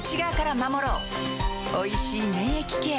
おいしい免疫ケア